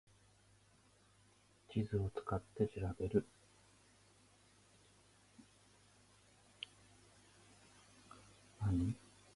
地図を使って調べる